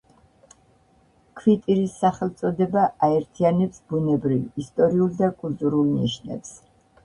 ქვიტირის სახელწოდება აერთიანებს ბუნებრივ, ისტორიულ და კულტურულ ნიშნებს.